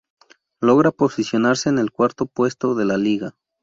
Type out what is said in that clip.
Logra posicionarse en el cuarto puesto de la liga.